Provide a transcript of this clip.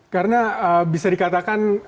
karena bisa dikatakan